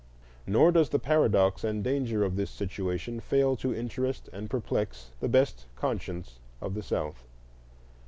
Nor does the paradox and danger of this situation fail to interest and perplex the best conscience of the South.